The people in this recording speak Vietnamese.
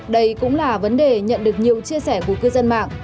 đây cũng là vấn đề nhận được nhiều chia sẻ của cư dân mạng